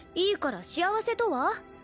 いいから幸せとは？